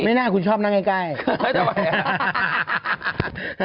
ไม่น่าคุณชอบนั่งไกล